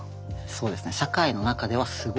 そうですね。